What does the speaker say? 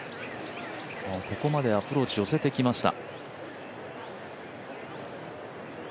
ここまでアプローチ寄せてきました。